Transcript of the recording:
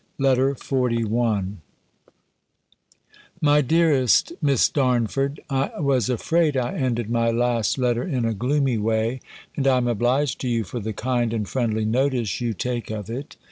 LETTER XLI My dearest Miss Darnford, I was afraid I ended my last letter in a gloomy way; and I am obliged to you for the kind and friendly notice you take of it.